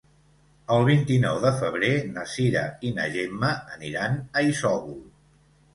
El vint-i-nou de febrer na Cira i na Gemma aniran a Isòvol.